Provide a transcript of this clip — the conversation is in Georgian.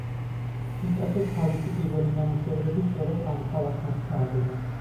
პიკასოს თავისი პირველი ნამუშევრები სწორედ ამ ქალაქმა შთააგონა.